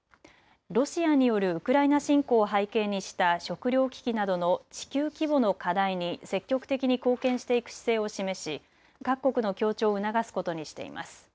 ロシアによるウクライナ侵攻を背景にした食料危機などの地球規模の課題に積極的に貢献していく姿勢を示し各国の協調を促すことにしています。